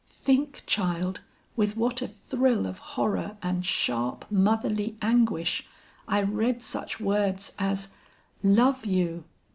Think child with what a thrill of horror and sharp motherly anguish, I read such words as 'Love you!